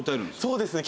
そうですね。